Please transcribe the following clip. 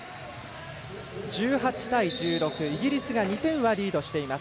１８対１６、イギリスが２点リードしています。